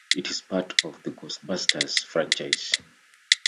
It is a part of the "Ghostbusters" franchise.